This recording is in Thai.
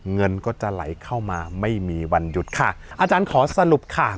เงินก็จะไหลเข้ามาไม่มีวันหยุดค่ะอาจารย์ขอสรุปค่ะ